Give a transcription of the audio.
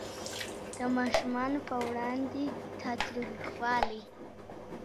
د ماشومانو په وړاندې تاوتریخوالی